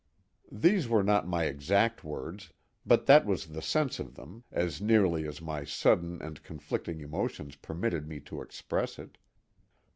These were not my exact words, but that was the sense of them, as nearly as my sudden and conflicting emotions permitted me to express it.